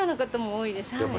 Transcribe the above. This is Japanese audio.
いいですね